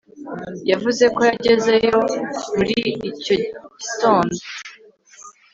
Yavuze ko yagezeyo muri icyo gitondo